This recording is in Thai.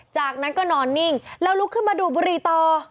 จากนั้นก็นอนนิ่งแล้วลุกขึ้นมาดูดบุหรี่ต่อ